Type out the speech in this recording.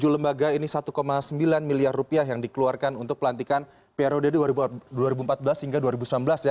tujuh lembaga ini satu sembilan miliar rupiah yang dikeluarkan untuk pelantikan periode dua ribu empat belas hingga dua ribu sembilan belas ya